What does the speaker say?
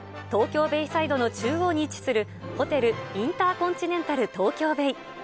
東京ベイサイドの中央に位置する、ホテルインターコンチネンタル東京ベイ。